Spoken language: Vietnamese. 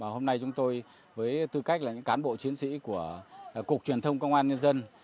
hôm nay chúng tôi với tư cách là những cán bộ chiến sĩ của cục truyền thông công an nhân dân